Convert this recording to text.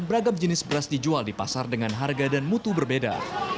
beragam jenis beras dijual di pasar dengan harga dan mutu berbeda